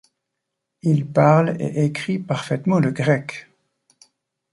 Il parle et écrit parfaitement le grec.